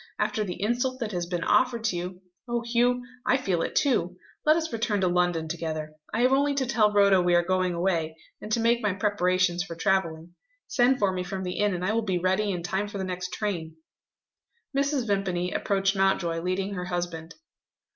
After the insult that has been offered to you oh, Hugh, I feel it too! let us return to London together. I have only to tell Rhoda we are going away, and to make my preparations for travelling. Send for me from the inn, and I will be ready in time for the next train." Mrs. Vimpany approached Mountjoy, leading her husband.